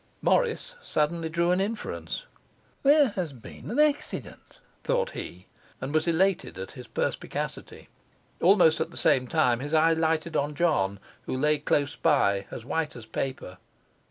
Morris suddenly drew an inference. 'There has been an accident' thought he, and was elated at his perspicacity. Almost at the same time his eye lighted on John, who lay close by as white as paper.